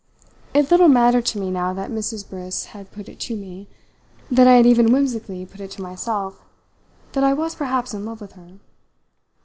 It little mattered to me now that Mrs. Briss had put it to me that I had even whimsically put it to myself that I was perhaps in love with her.